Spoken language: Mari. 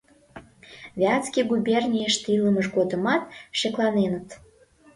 Вятский губернийыште илымыж годымат шекланеныт.